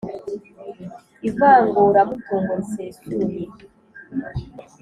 ivanguramutungo risesuye: